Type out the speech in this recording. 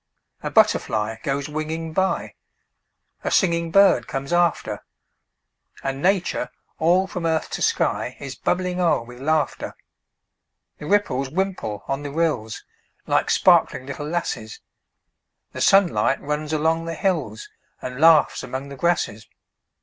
A butterfly goes winging by; A singing bird comes after; And Nature, all from earth to sky, Is bubbling o'er with laughter. The ripples wimple on the rills, Like sparkling little lasses; The sunlight runs along the hills, And laughs among the grasses.